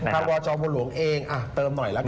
ถ้าว่าจอบุหรวงเองเติมหน่อยแล้วกัน